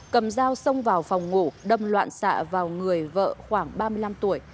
cầm dao xông vào phòng ngủ đâm loạn xạ vào người vợ khoảng ba mươi năm tuổi